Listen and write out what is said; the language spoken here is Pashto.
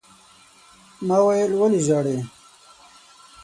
ما وويل: ولې ژاړې؟